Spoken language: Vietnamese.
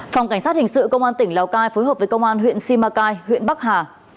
phòng cảnh sát hình sự công an tỉnh lào cai phối hợp với công an huyện simacai huyện bắc hà